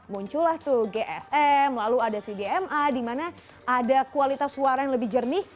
muncullah tuh gsm lalu ada cdma di mana ada kualitas suara yang lebih jernih